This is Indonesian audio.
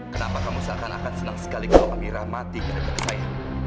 kenapa kamu seakan akan senang sekali kalau amira mati daripada saya